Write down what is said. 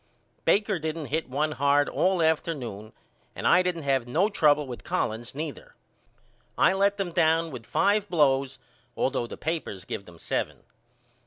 Baker didn't hit one hard all afternoon and I didn't have no trouble with Collins neither. I let them down with five blows all though the papers give them seven.